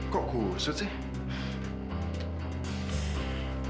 kok kusut sih